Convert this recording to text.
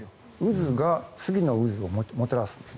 渦が次の渦をもたらすんです。